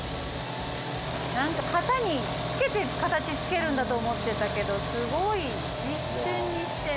何か型につけて形つけるんだと思ってたけどすごい一瞬にして。